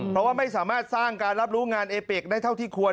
เพราะว่าไม่สามารถสร้างการรับรู้งานเอเปิกได้เท่าที่ควร